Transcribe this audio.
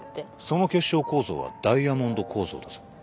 その結晶構造はダイヤモンド構造だぞ。